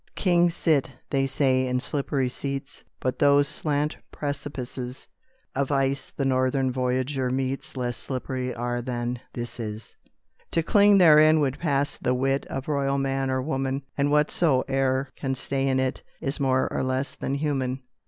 Kings sit, they say, in slippery seats; But those slant precipices Of ice the northern voyager meets Less slippery are than this is; To cling therein would pass the wit Of royal man or woman, And whatsoe'er can stay in it Is more or less than human.